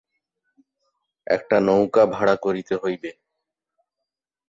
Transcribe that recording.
একটা নৌকা ভাড়া করিতে হইবে।